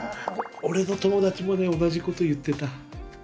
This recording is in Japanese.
俺の友達もね同じこと言ってた。